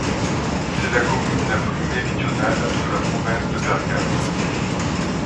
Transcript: C'est la commune la plus méridionale de la province de Bergame.